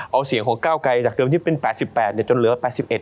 เอาเสียงของก้าวไกลจากเดิมที่เป็น๘๘จนเหลือ๘๑